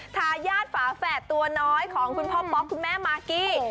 ทายาทฝาแฝดตัวน้อยของคุณพ่อป๊อกคุณแม่มากกี้